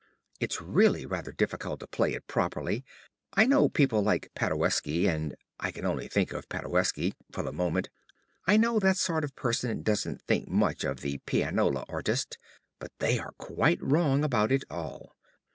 It's really rather difficult to play it properly. I know people like Paderewski and I can only think of Paderewski for the moment, I know that sort of person doesn't think much of the pianola artist; but they are quite wrong about it all.